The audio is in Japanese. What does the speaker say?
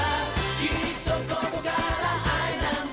きっとここから愛なんだ